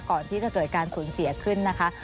ก่อนที่จะเกิดการสูญเสียขึ้นนะคะ